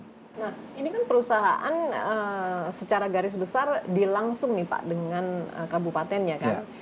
nah ini kan perusahaan secara garis besar dilangsung nih pak dengan kabupatennya kan